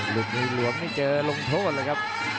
หลุดในหลวงไม่เจอลงโทษเลยครับ